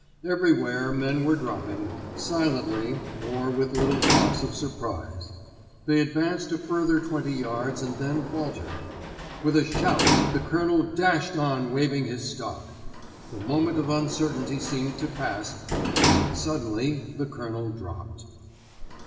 Everywhere men were dropping, silently or with little coughs of surprise. They advanced a further twenty yards and then faltered. With a shout the Colonel dashed on waving his stock. The moment of uncertainty seemed to pass, when suddenly the Colonel dropped.